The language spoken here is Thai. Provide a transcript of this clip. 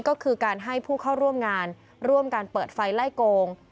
ก็คือการให้ผู้เข้าร่วมงานร่วมการเปิดไฟไล่โกง